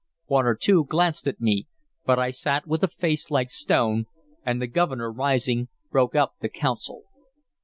One or two glanced at me, but I sat with a face like stone, and the Governor, rising, broke up the council.